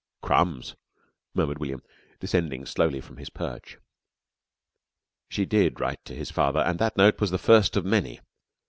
'" "Crumbs!" murmured William, descending slowly from his perch. She did write to his father, and that note was the first of many.